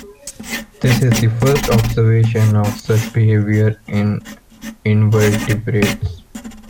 This is the first observation of such behaviour in invertebrates.